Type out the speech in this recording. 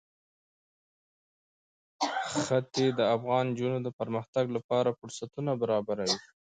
ښتې د افغان نجونو د پرمختګ لپاره فرصتونه برابروي.